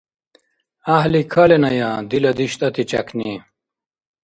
ГӀяхӀил каленая, дила диштӀати чякни!